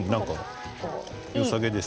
よさげです。